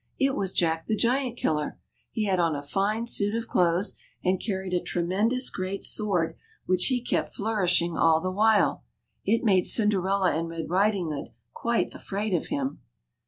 It was Jack the Giant killer ; he had on a tine suit of clothes, and carried a tremendous great sword which he kept flourishing all the while ; it made Cinderella and Red Riding hood quite afraid of him.